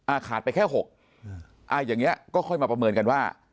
ขาดไปแค่หกอ่าอย่างเงี้ก็ค่อยมาประเมินกันว่า